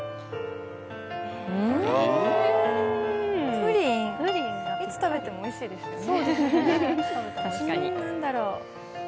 プリン、いつ食べてもおいしいですよね。